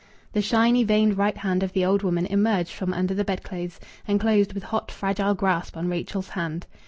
The shiny, veined right hand of the old woman emerged from under the bedclothes and closed with hot, fragile grasp on Rachel's hand.